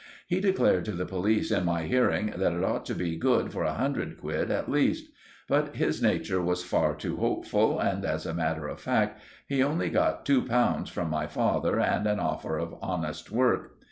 He declared to the police in my hearing that it ought to be good for a hundred quid at least. But his nature was far too hopeful, and as a matter of fact he only got two pounds from my father and an offer of honest work.